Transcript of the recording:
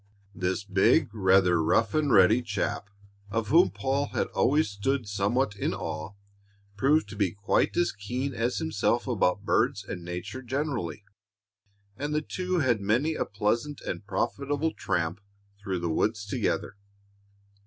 This big, rather rough and ready, chap of whom Paul had always stood somewhat in awe, proved to be quite as keen as himself about birds and nature generally, and the two had many a pleasant and profitable tramp through the woods together.